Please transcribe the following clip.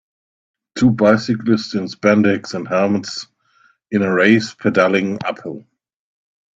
two bicyclists in spandex and helmets in a race pedaling uphill.